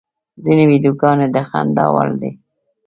ځینې ویډیوګانې د خندا وړ دي.